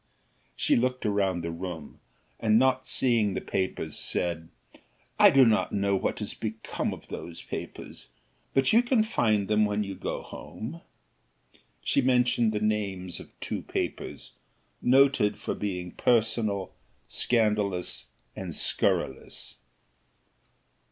She looked round the room, and not seeing the papers, said, "I do not know what has become of those papers; but you can find them when you go home." She mentioned the names of two papers, noted for being personal, scandalous, and scurrilous.